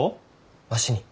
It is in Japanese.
わしに？